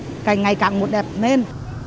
rồi ngày càng một đẹp lên